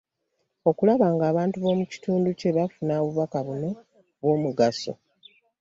Okulaba ng’abantu b’omu kitundu kyo bafuna obubaka buno obw’omugaso.